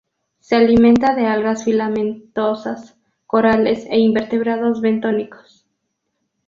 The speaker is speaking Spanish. Se alimenta de algas filamentosas, corales e invertebrados bentónicos.